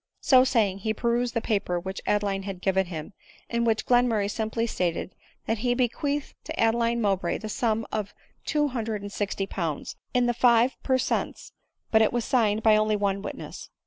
So saying, he perused the paper which Ade line had given him, in which Glenmurray simply stated, that he bequeathed to Adeline Mowbray the sum of 260?. in the 5 per cents, but it was signed by only one witness.